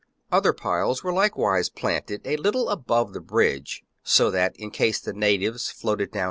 Other piles were likewise planted a little above the bridge, so that in case the natives floated down